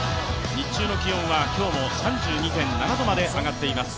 日中の気温は今日も３２．７度まで上がっています。